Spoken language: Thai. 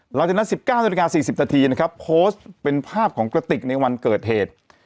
หลังจากนั้น๑๙นาฬิกา๔๐นาทีนะครับโพสต์เป็นภาพของกระติกในวันเกิดเหตุ